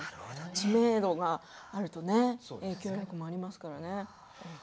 知名度があると影響力もありますからね。